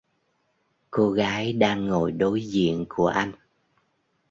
Cô gái đang ngồi đối diện của anh